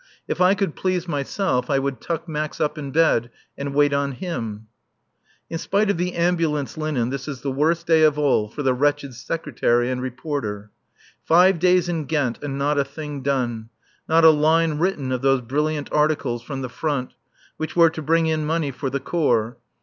If I could please myself I would tuck Max up in bed and wait on him. In spite of the ambulance linen, this is the worst day of all for the wretched Secretary and Reporter. Five days in Ghent and not a thing done; not a line written of those brilliant articles (from the Front) which were to bring in money for the Corps.